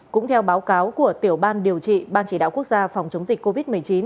cũng theo báo cáo của tiểu ban điều trị ban chỉ đạo quốc gia phòng chống dịch covid một mươi chín